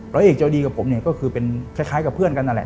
ร้อยเอกเจ้าดีกับผมเนี่ยก็คือเป็นคล้ายกับเพื่อนกันนั่นแหละ